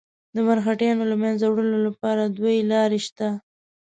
د مرهټیانو له منځه وړلو لپاره دوې لارې شته.